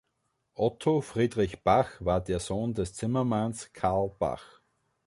Otto Friedrich Bach war der Sohn des Zimmermanns Karl Bach.